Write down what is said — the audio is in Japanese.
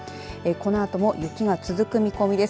このあとも雪が続く見込みです。